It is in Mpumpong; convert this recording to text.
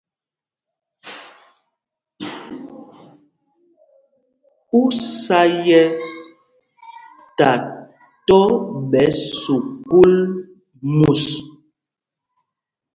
Ú sá yɛ̄ ta tɔ̄ ɓɛ̌ sukûl mus ?